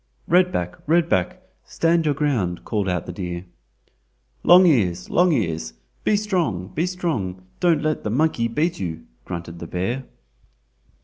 "Red back! Red back! stand your ground!" called out the deer. "Long ears! Long ears! be strong, be strong—don't let the monkey beat you!" grunted the bear.